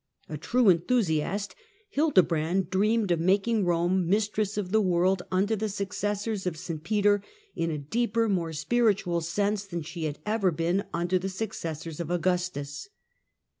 A true enthusiast, Hildebrand dreamed of making Rome mistress of the world under the successors of St Peter, in a deeper, more spiritual sense than she had ever been under the successors of Augustus.